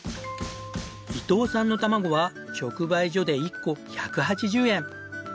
伊藤さんの卵は直売所で１個１８０円。